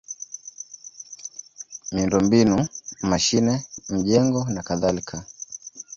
miundombinu: mashine, majengo nakadhalika.